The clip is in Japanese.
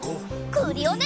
クリオネ！